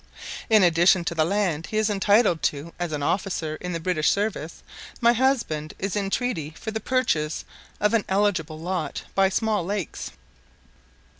In addition to the land he is entitled to as an officer in the British service, my husband is in treaty for the purchase of an eligible lot by small lakes.